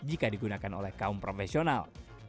jika digunakan oleh kaum profesional